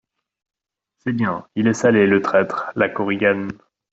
C'est bien, il est salé, le traître ! LA KORIGANE.